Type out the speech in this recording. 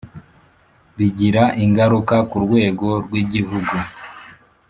bigira ingaruka ku rwego rw Igihugu